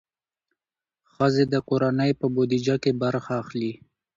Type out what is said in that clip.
ښځې د کورنۍ په بودیجه کې برخه اخلي.